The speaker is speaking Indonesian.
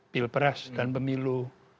pilpres dan pemilu delapan belas sembilan belas